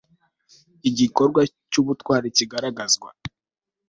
igikorwa cy'ubutwari kigaragazwa